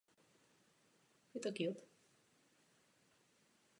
Byly mezi nimi i světově unikátní výkony.